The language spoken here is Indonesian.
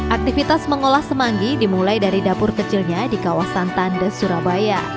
aktivitas mengolah semanggi dimulai dari dapur kecilnya di kawasan tande surabaya